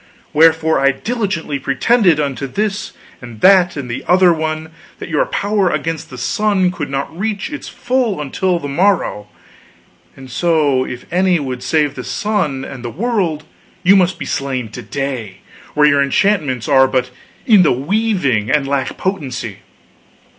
Wherefore I diligently pretended, unto this and that and the other one, that your power against the sun could not reach its full until the morrow; and so if any would save the sun and the world, you must be slain to day, while your enchantments are but in the weaving and lack potency.